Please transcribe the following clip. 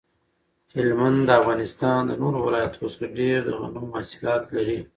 هلمند د افغانستان د نورو ولایتونو څخه ډیر د غنمو حاصلات لري